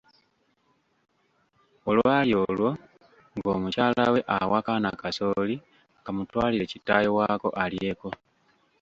Olwali olwo ng'omukyalawe awa kaana kasooli kamutwalire kitaawe waako alyeko.